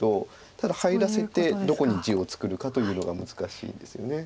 ただ入らせてどこに地を作るかというのが難しいんですよね。